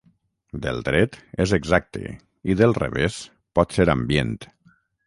Del dret, és exacte, i dels revés pot ser ambient.